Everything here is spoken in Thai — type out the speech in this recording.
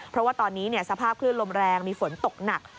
เพราะว่าตอนนี้สภาพคลื่นลมแรงมีฝนตกหนัก